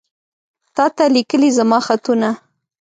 تاته ليکلي زما خطونه